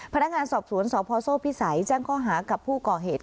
พนักงานสอบสวนสพโซ่พิสัยแจ้งข้อหากับผู้ก่อเหตุ